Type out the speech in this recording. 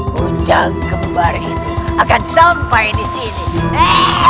puncak kembar itu akan sampai di sini